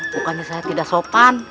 bukannya saya tidak sopan